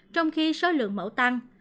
trong khi số lượng mẫu tăng